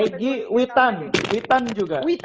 egy witan witan juga